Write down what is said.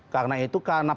karena itu karena